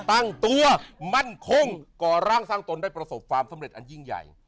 ตั้งตัวมั่นคงก่อร่างสร้างตนได้ประสบความสำเร็จอันยิ่งใหญ่